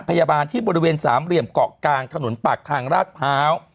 พยาบาลที่บริเวณสามเหลี่ยมเกาะกลางถนนปากทางราชพร้าว